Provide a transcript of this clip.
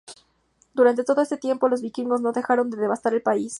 Durante todo este tiempo los vikingos no dejaron de devastar el país.